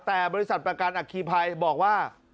แต่บริษัทประกันอัคคีภัยบอกว่า